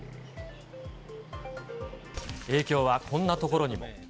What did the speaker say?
影響はこんなところにも。